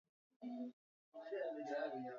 Vijusi vilivyoharibika